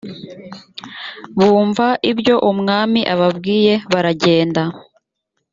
bumva ibyo umwami ababwiye baragenda